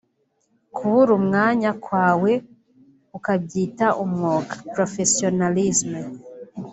kubura umwanya kwawe ukabyita umwuga (professionalisme)